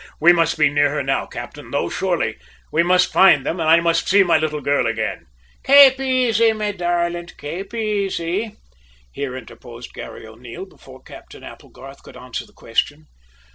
"We must be near her now, captain, though, surely. We must find them, and I must see my little girl again!" "Kape aisy, me darlint; kape aisy," here interposed Garry O'Neil, before Captain Applegarth could answer the question.